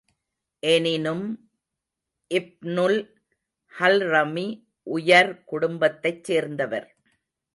எனினும், இப்னுல் ஹல்ரமி உயர் குடும்பத்தைச் சேர்ந்தவர்.